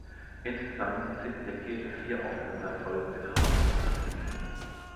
Insgesamt sind in der Kirche vier aufeinander folgende Grafen beigesetzt.